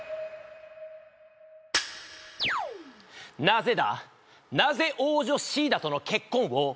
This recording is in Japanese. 「なぜだなぜ王女シーダとの結婚を」